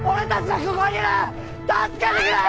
助けてくれ！